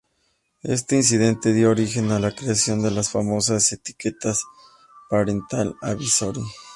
Este incidente dio origen a la creación de las famosas etiquetas "Parental Advisory".